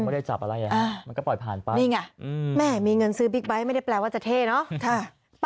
ไม่ได้จับอะไรมันก็ปล่อยผ่านไปนี่ไงแม่มีเงินซื้อบิ๊กไบท์ไม่ได้แปลว่าจะเท่เนอะ